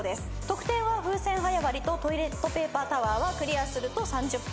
得点は風船早割りとトイレットペーパータワーはクリアすると３０ポイント。